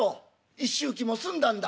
一周忌も済んだんだ」。